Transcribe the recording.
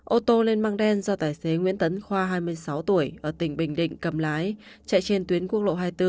ô tô lên măng đen do tài xế nguyễn tấn khoa hai mươi sáu tuổi ở tỉnh bình định cầm lái chạy trên tuyến quốc lộ hai mươi bốn